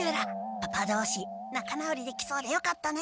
パパどうしなか直りできそうでよかったね。